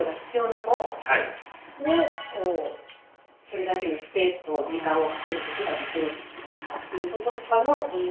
それだけのスペースと時間をかけることができるかっていうこととかの理由で。